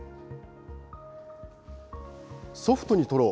ソフトに撮ろう。